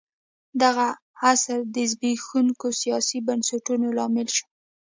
دغه عصر د زبېښونکو سیاسي بنسټونو لامل شو.